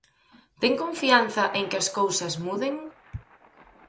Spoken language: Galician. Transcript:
Ten confianza en que as cousas muden?